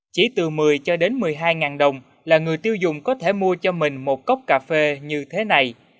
chỉ từ một mươi cho đến một mươi hai đồng là người tiêu dùng có thể mua cho mình một cốc cà phê như thế này